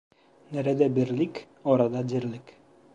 Nerede birlik, orada dirlik.